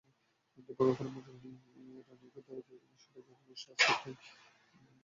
দুর্ভাগ্যক্রমে, রানি গো ধরেছেন, অনুষ্ঠানটা যেন অবশ্যই আজকেই হয়।